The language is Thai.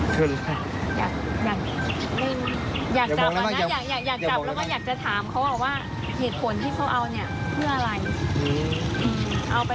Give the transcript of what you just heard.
แต่ด้วยคุณผู้ชมด้วยประโยชน์ที่เขาเอ่าเพื่ออะไร